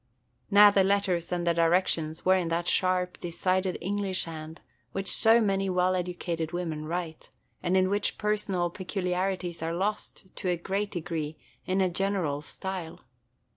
Now the letters and the directions were in that sharp, decided English hand which so many well educated women write, and in which personal peculiarities are lost, to a great degree, in a general style.